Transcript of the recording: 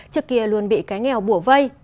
trước kia luôn bị cái nghèo bủa vây